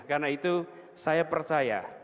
karena itu saya percaya